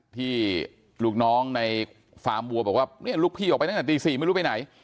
ที่ลูกน้องในฟาร์มวัวบอกว่าเนี่ยลูกพี่ออกไปตั้งแต่ตี๔ไม่รู้ไปไหน